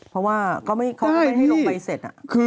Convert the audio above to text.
เพราะว่าเขาก็ไม่ให้ลงใบเสร็จ